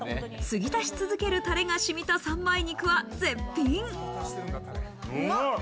継ぎ足し続けるタレが染みた三枚肉は絶品。